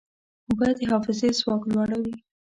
اوبه د حافظې ځواک لوړوي.